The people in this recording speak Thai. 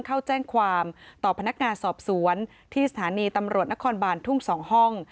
เข้าแจ้งความต่อพนักงานสอบสวนที่สถานีตำรวจนครบานทุ่ง๒ห้อง